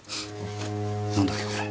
何だっけこれ。